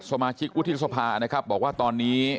สมาชิกวุฒิสภานะครับบอกว่าตอนนี้